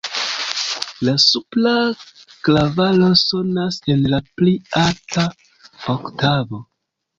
La supra klavaro sonas en la pli alta oktavo.